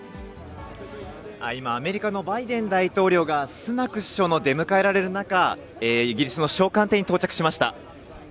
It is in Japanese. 今、アメリカのバイデン大統領が、スナク首相の出迎えられる中、イギリスの首相官邸に到着しました。